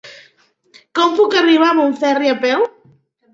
Com puc arribar a Montferri a peu?